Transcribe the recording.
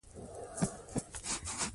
زده کړه ښځه د کورنۍ اقتصادي پریکړې کوي.